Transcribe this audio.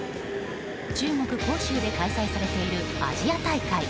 中国・杭州で開催されているアジア大会。